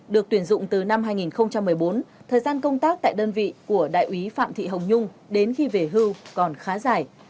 được tuyển dụng từ năm hai nghìn một mươi bốn thời gian công tác tại đơn vị của đại úy phạm thị hồng nhung đến khi về hưu còn khá dài